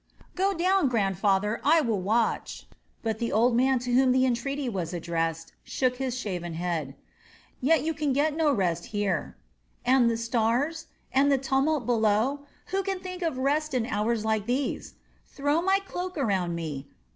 "Go down, grandfather: I will watch." But the old man to whom the entreaty was addressed shook his shaven head. "Yet you can get no rest here.... "And the stars? And the tumult below? Who can think of rest in hours like these? Throw my cloak around me!